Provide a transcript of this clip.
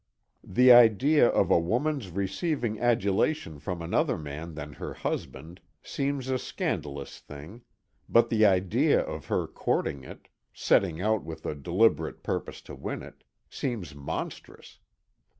The idea of a woman's receiving adulation from another man than her husband, seems a scandalous thing; but the idea of her courting it setting out with a deliberate purpose to win it seems monstrous.